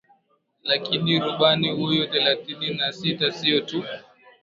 Lakini rubani huyo thelathini na sita sio tu